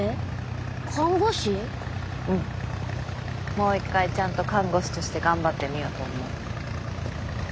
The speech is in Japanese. もう一回ちゃんと看護師として頑張ってみようと思う。